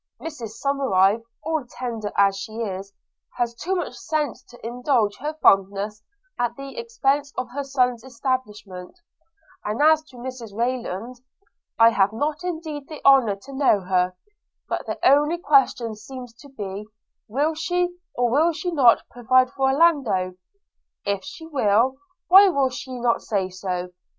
– Mrs Somerive, all tender as she is, has too much sense to indulge her fondness at the expence of her son's establishment; and as to Mrs Rayland – I have not indeed the honour to know her – but the only question seems to be, will she, or will she not, provide for Orlando? – If she will, why will she not say so?